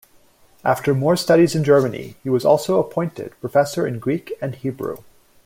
After more studies in Germany, he was also appointed professor in Greek and Hebrew.